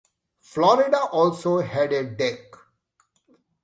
"Florida" also had a deck.